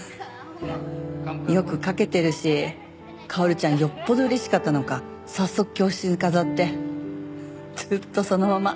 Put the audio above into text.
よく描けてるし薫ちゃんよっぽど嬉しかったのか早速教室に飾ってずっとそのまま。